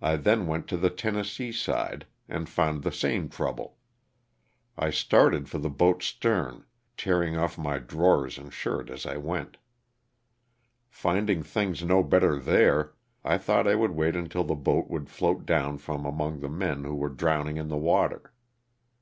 I then went to the Tennessee side and found the same trouble. I started for the boat's stern, tearing off my drawers and shirt as I went. Finding things no better there, I thought I would wait until the boat would float down from among the men who were drowning in the water.